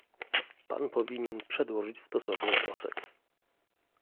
Pan powinien przedłożyć stosowny wniosek